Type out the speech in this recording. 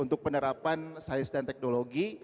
untuk penerapan sains dan teknologi